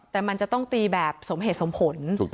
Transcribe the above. แต่มันจะต้องตีแบบสมเหตุสมผล